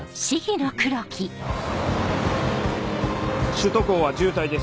首都高は渋滞です